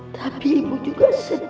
tapi ibu juga sedih